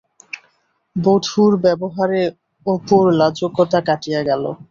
বধূর ব্যবহারে অপুর লাজুকতা কাটিয়া গেল।